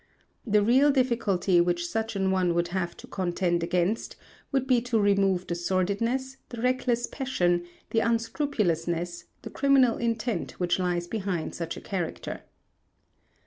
The real difficulty which such an one would have to contend against would be to remove the sordidness, the reckless passion, the unscrupulousness, the criminal intent which lies behind such a character.